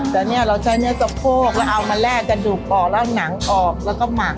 แต่เนี่ยเราใช้เนื้อสะโพกแล้วเอามาแลกกระดูกออกแล้วหนังออกแล้วก็หมัก